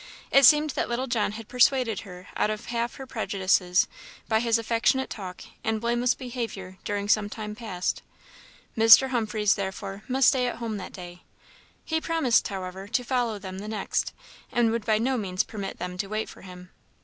It seemed that little John had pursuaded her out of half her prejudices by his affectionate talk and blameless behaviour during some time past. Mr. Humphreys, therefore, must stay at home that day. He promised, however, to follow them the next, and would by no means permit them to wait for him.